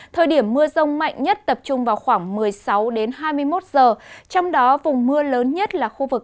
thời điểm mưa rông mạnh nhất tập trung vào khoảng một mươi sáu hai mươi một giờ trong đó vùng mưa lớn nhất là khu vực